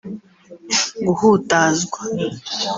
guhutazwa